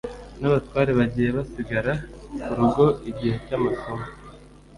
n’abatware bagiye basigara ku rugo igihe cy’amasomo